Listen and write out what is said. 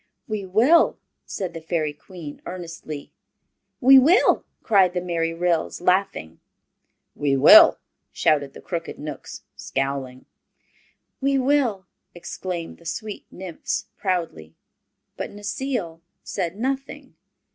"We will!" said the Fairy Queen, earnestly. "We will!" cried the merry Ryls, laughing. "We will!" shouted the crooked Knooks, scowling. "We will!" exclaimed the sweet nymphs, proudly. But Necile said nothing.